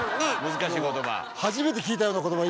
難しい言葉。